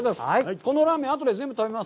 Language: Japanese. このラーメン、あとで全部食べます。